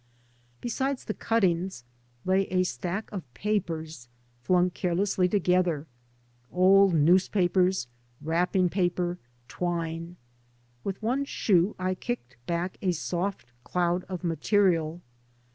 Beside the " cuttings " lay a stack of papers flung carelessly together, old newspapers, wrapping paper, twine. With one shoe I kicked back a soft cloud of material.